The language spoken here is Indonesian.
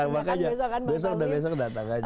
besok akan bangun selesai